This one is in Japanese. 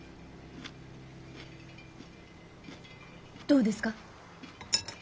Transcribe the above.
どうですか？